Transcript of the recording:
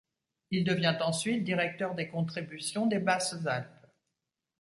Il devient ensuite directeur des contributions des Basses-Alpes.